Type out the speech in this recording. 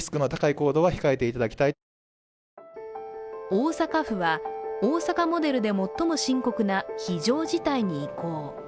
大阪府は大阪モデルで最も深刻な非常事態に移行。